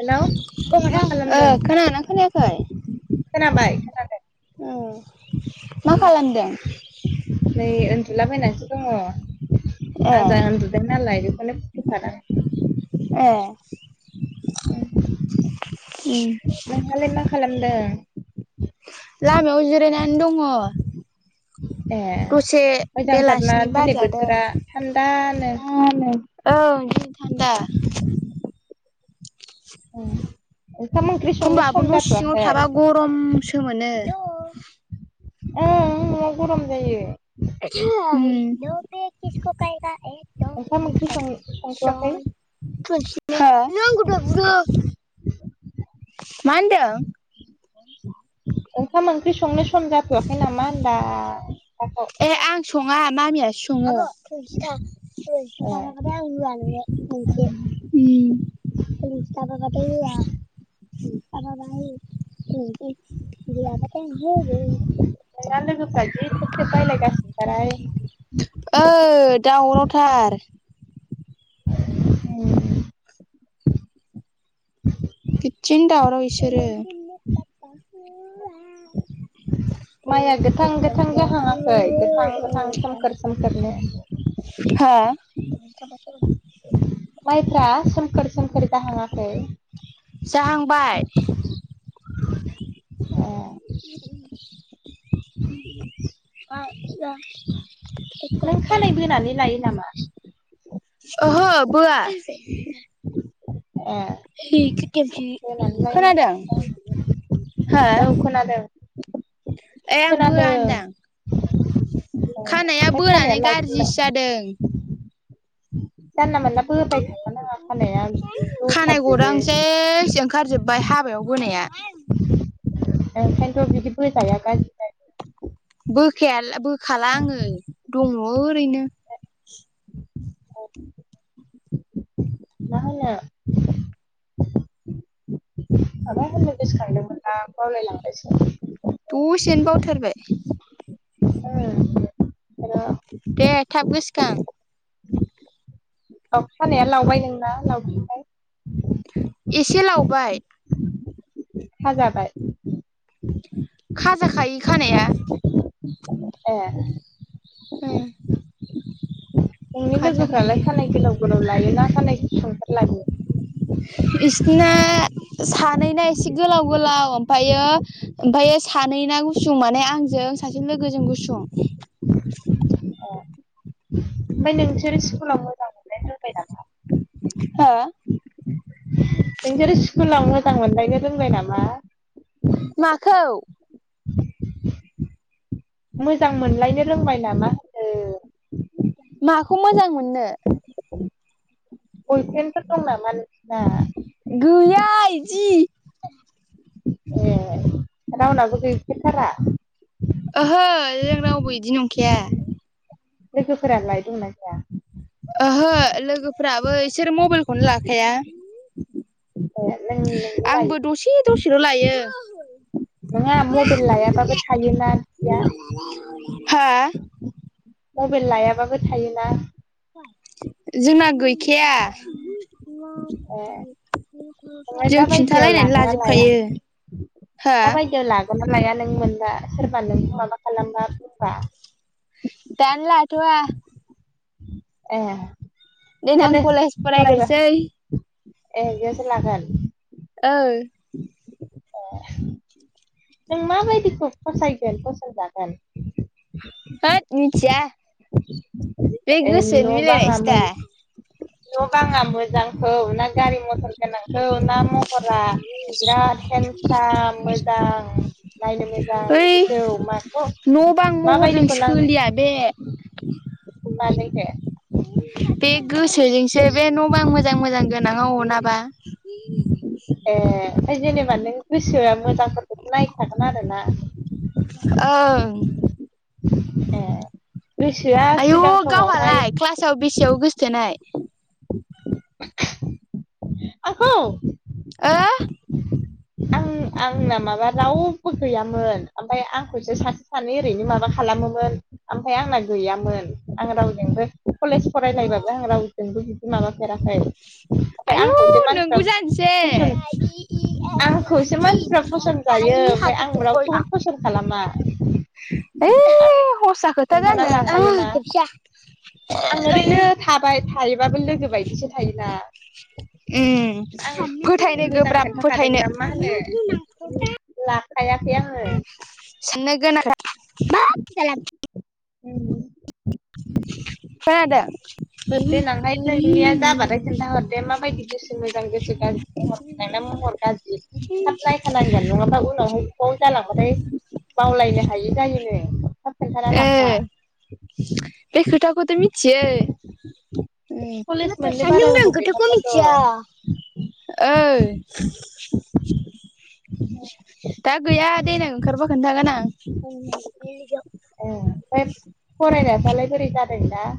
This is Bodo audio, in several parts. हेलौ ओ मा खालामदों खोनादोंना खोनायाखै? खोनाबाय? खोनादों उम मा खालामदों? नै उन्दुलाबायैनानैसो दङ' ए आजा उन्दुदों नालाय बेखौनो फादां। ए उम। नोंहालाय मा खालामदों? लामायाव जिरायनानै दङ। ए दसे मोजांथारना बेलासिनि दिनै बारजादों। बोथोरा थान्दानो मा होनो औ बिदिनो थान्दा। ओंखाम ओंख्रि संनो सम जाथ'आखै? उम सोमोनो। ओं न'आव गरम जायो। ओंखाम [unintelligible] ओंख्रि संथ'वाखै। हो? नों आंखौ दहय बुदों। मा होनदों? [inaudible] ओंखाम ओंख्रि संनो सम जाथ'आखै नामा होनदां? दाथ' ए आं सङा मामियासो सङो। [unintelligible] ओरै ए बाबा बाथाय होआ उम बाबाबा होयो उम गैया बाथाय ओहो ओरै नोंना लोगोफ्रा जि थेब थेब रायलायगासिनोथारहाय ओ दावरावथार उम बिदिनो दावराव इसोरो अ [unintelligible] जाहाङाखै गोथां गोथां हा सोमखोर सोमखोरनो अनथाव बाथाव ओरैसो माइफ्रा सोमखोर सोमखोर जाहाङाखै? जाहांबाय [unintelligible] ओ नों खानाय बोनानै लायो नामा? ओहो बोआ ए बोनानै लायो नामा खोनादों नंदों आं हो औ खोनादों ए आं खोनादों बोआ होनदां खानाया ओमफ्राय खानाया बोनानै गारजिसो लावथुमलाय जादों जानला मानला बोबाय थाखा नाङा आ खानाया खाना गदां जसाबजोबो सेस ओंखारजोब्बाय हाबायाव बोनाया ओंखायन्थ' बिदि बोजाया गाज बोखायाल ओ बोखाला आङो दङ ओरैनो मा होनो माबा होननो गोसो खांदोंमोन आं बावलाय लांबायसो दसेनो बावथारबाय ओं ओ दे थाब गोसोखां अ खानाया लावबाय नोंना लावफिनबाय? एसे लावबाय हाजाबाय खाजाखायो खानाया अअ ए उम नोंनि लोगोफ्रालाय खानाय गोलाव गोलाव लायो ना खानाय गुसुंफोर लायो? इसिना सानैना एसे गोलाव गोलाव ओमफायो ओमफायो सानै ना गुसुं माने आंजों सासे लोगोजों गुसुं अ ओमफाय नोंसोर स्कुलाव मोजां मोनलायथार हो नोंसोर स्कुलाव मोजां मोनलायनो रोंबाय नामा? माखौ? मोजां मोनलायनो रोंबाय नामा होन माखौ मोजां मोननो? बयफ्रेन्फोर दं नामा नोंसिना? गैया इदि ए रावनाबो गैफेरथारा? ओहो जों रावबो इदि नंखाया। लोगोफोरालाय दंना गैया? ओहो लोगोफोराबो इसोर मबाइलखौनो लाखाया ए नों नों आंबो दसे दसेल' लायो। नङा मबाइल लायाबाबो थायोना बिदिया हो? मबाइल लायाबाबो थायोना। जोंना गैखाया। ए। नोंलाय जों दा बायदियाव खिन्थालायनानै लागोना लाया लाजोबखायो हा दा बायदियाव लागोन मा लाया नों मोनबा सोरबा नों माबा खालामबा बुंबा दानो लाथवा ए। देनां कलेज फरायबा फरायग्रोसै ए बिदियावसो लागोन। ओ। ए। नों माबायदिखौ फसायगोन फसनजागोन। होद मिथिया बे ए न' गोसोनि बाङा मिलायनायसो दा। न बांङा मोजांखौ ना गारि मथर गोनांखौ ना महरा बिराद हेन्थसाय मोजां नायनो मोजां ओइ बिदिखौ माखौ न बां महरजों माबायदिखौ सोलिया बे मारैथो बे गोसो जोंसो बे ए न बां मोजां मोजां गोनांआ अनाबा [inaudible] ए ओमफ्राय जेनेबा नों गोसोआ मोजां फोरखौथ नायखागोन आरो ना। ओं। ए गोसोआ सिगां समावहाय फसाव बेसेयाव गोसथोनाय आंखौ ओ आं आंना माबा रावबो गैयामोन। ओमफ्राय आंखौसो सान सानै ओरैनो माबा खालामोमोन। ओमफ्राय आंना गैयामोन आं रावजोंबो कलेज फरायलायबाबो आं रावजोंबो माबाफेराखै ओमफ्राय आयु आंखौ एसे मानसिफ्रा नोंगौ जानोसै फसन आंखौसो मानसिफ्रा फसन्द जायो। ओमफ्राय आं रावखौबो ओइ फसन्द खालामा। आं हरसा खोथा खिन्थाना जानो लाखायोना आं ओरैनो थाब ओमफ्राय थायोबाबो लोगो बायदिसो थायोना। आं फोथायनो मोजां गोब्राब फोथायनो खोन्थाखादोंना मा होनो लाखायाखै आङो। सेनगोन गोनां [unintelligible] [inaudible] खोनादों? देनांहाय नोंनिया जाबाथाय खिन्थाहरदे माबायदि गोसो मोजां गोसो गाज्रि नोंना महर गाज्रि खानांगोन नङाबा उनाव हाव जालांबाथाय बावलायनो हायि जायोनो। थाब खिनथाना ओ लाखा बे खोथाखौथ' मिथियो। सल्लिस नाथाय मोननो सानदों बारा नों गोबाव खोथाखौ गैथारलाथ' मिथिया ओ। दा गैया देनां ओंखारबा खोन्थागोन आं। ए ओमफ्राय फरायनायफ्रालाय बोरै जादों दा।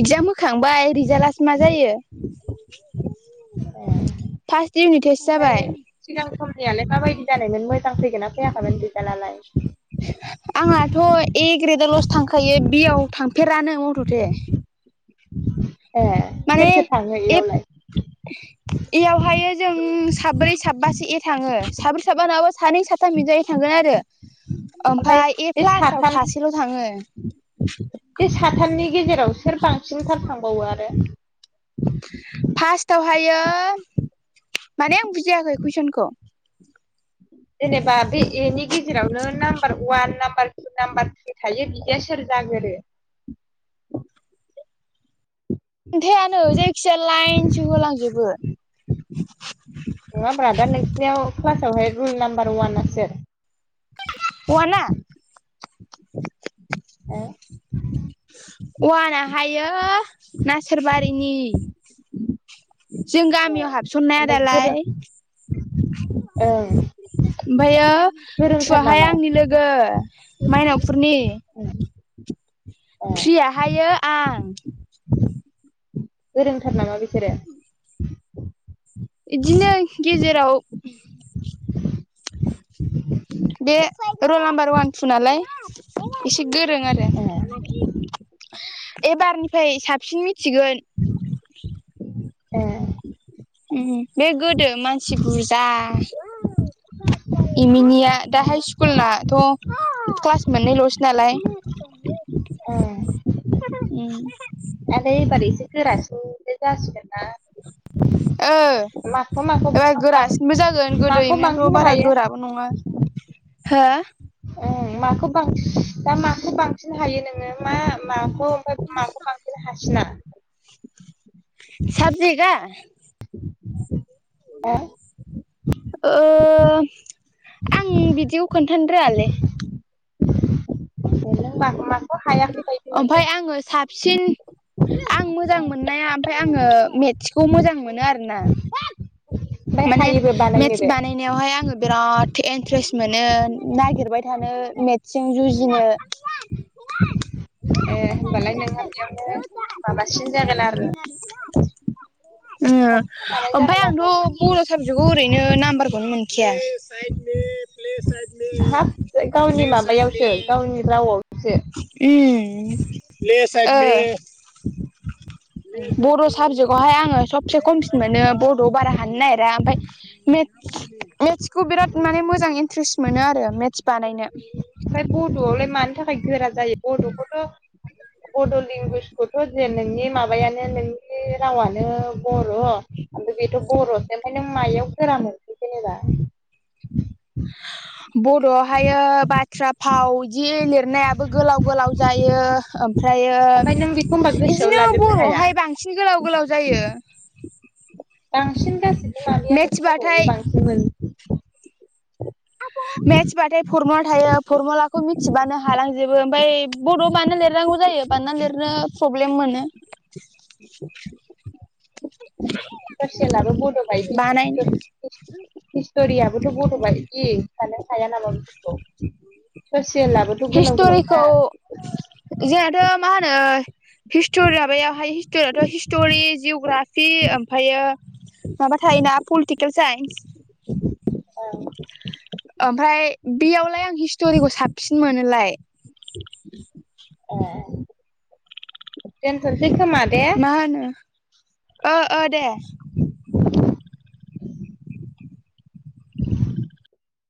इक्जाम होखांबाय रिजाल्टआसो मा जायो। औ। फार्स्ट इउनिट टेस्ट जाबाय। सिगां समनियालाय माबायदि जानायमोन मोजां फैगोनना फैयाखैमोन रिजाल्टआलाय? [inaudible] आंहाथ' ए ग्रेदावल'सो थांखायो बियाव थांफेरानो मथथे। ए माने सोर सोर थाङो बेयावलाय? एयावहाय जों साब्रै साबासो ए थाङो साब्रै साबा नङाबा सानै साथाम इजायै थांगोन आरो। ओमफ्राय ए बे प्लासाव साथाम सासेल' थाङो। बे साथामनि गेजेराव सोर बांसिनथार थांबावो आरो? फार्स्ट थावहायो माने आं बुजियाखै कुइसनखौ जेनेबा बे एनि गेजेरावनो number one number number three थायो बिदिया सोर जागोरो? खोनन्थायानो जायखिजाया लाइनसो होलांजोबो। नङा ब्रा दा नोंसिनियाव क्लासावहाय रल नाम्बार वानआ सोर? वाना ओ वाना हायो नासोरबारिनि। जों ए गामियाव हाबसननाया ओमफ्राय गोरों दालाय। ओं ओमफ्रायो गोरोंथार थुवाहाय नामा आंनि लोगो। माइनावफुरनि ए थ्रियाहायो आं गोरोंथार नामा बिसोरो? बिदिनो गेजेराव बे रल नाम्बार वान थु नालाय एसे गोरों आरो। ए एबारनिफ्राय साबसिन मिथिगोन ए उ बे गोदो मानसि बुरजा एमिनिया दा हाइ स्कुलनाथ' क्लास मोननैल'सो नालाय उम आरो एबार एसे गोरासिनसो जासिगोन ना। ओ माखौ माखौ एबार बां गोरासिनबो जागोन गोदो माखौ एमिनाथ' बांसिन बारा हायो? गोराबो नङा हो ओ माखौ बांसि दा माखौ बांसिन हायो नोङो मा माखौ ओमफ्राय माखौ बां हासिना साबजेगा? [unintelligible] ओ आं बिदिखौ खोन्थानो रोङालै। [unintelligible] बायदि मोनदों ओमफ्राय आङो साब सिन आं मोजां मोननाया ओमफ्राय आङो मेट्सखौ मोजां मोनो आरो। ओमफ्राय माने हायोबो मेथ्स बानायनोबो बानाय नायावहाय आङो बिराद इन्ट्रेस् मोनो नागिरबाय थानो मेट्सजों जुजिनो। ए होनबालाय नोंहा बेयावनो माबासिन जागोन आरो [unintelligible] उम साबसिन हानाय ओमफ्राय जागोन आंथ' आरो बर' साबजेक्टयाव ओरैनो नाम्बारखौनो मोनखाया। हाब गावनि माबायावसो गावनि रावआवसो। उम [unintelligible] [inaudible] बर' साबजेक्टआवहाय आङो सबसे खमसिन मोनो बड'आव बारा हानो नागिरा ओमफ्राय मेथ्स मेट्सखौ बिराद माने मोजां इन्ट्रेस् मोनो आरो मेट्स बानायनो। ओमफ्राय बड'आवलाय मानि थाखाय गोरा जायो बड'खौथ' बड' लेंगुवेजखौथ' जे नोंनि माबायानो नोंनि रावानो बर'। ओमफाय बेथ' बर'सो ओमफ्राय नों मायाव गोरा मोनखो जेनेबा? बर'आवहाय बाथ्रा फाव जि लिरनायाबो गोलाव गोलाव जायो। ओमफ्रायो ओमफ्राय नों बिखौ इदिनो बर'आवहाय बांसिन गोलाव गोलाव जायो। बांसिन गासिबो माबायथ' बर'आवनो मेथ्सबाथाय बांसिनमोन मेथ्सबाथाय फरमुला थायो फरमुलाखौ मिथिबानो हालांजोबो ओमफाय बड'आव बानायना लिरनांगौ जायो बानायना लिरनो प्रब्लेम मोनो। [inaudible] [unintelligible] स'सेलाबो बड' बायदि बानायनो सिसथेम हिस्ट'रियाबोथ' बद' बायदि सानो हाया नामा बिसोरखौ। ससेयलाबोथ' गोलाव हिस्ट'रिखौ गोलावथार। जोंहाथ' मा होनो हिस्ट'रि माबायावहाय हिस्ट'रियाथ' हिस्ट'रि जिअ'ग्राफि ओमफ्रायो माबा थायोना पलिटिकेल साइन्स। औ। ओमफाय बेयावलाय आं हिस्ट'रिखौ साबसिन मोनोलाय। दोन्थनोसै खोमा? दे मा होनो ओ-ओ दे। [inaudible] [unintelligible]